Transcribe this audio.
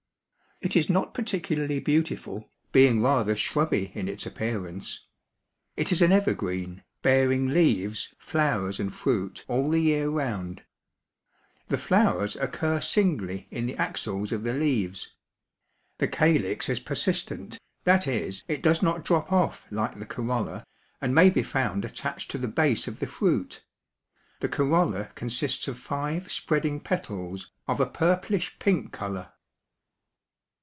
It is not particularly beautiful, being rather shrubby in its appearance. It is an evergreen, bearing leaves, flowers, and fruit all the year round. The flowers occur singly in the axils of the leaves. The calyx is persistent, that is, it does not drop off like the corolla, and may be found attached to the base of the fruit. The corolla consists of five spreading petals of a purplish pink color.